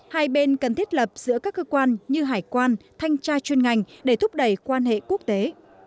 hai bên cần thiết lập giữa các cơ quan như hải quan thanh tra chuyên ngành để thúc đẩy quan hệ quốc tế